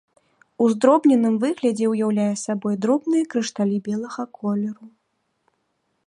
У здробненым выглядзе ўяўляе сабой дробныя крышталі белага колеру.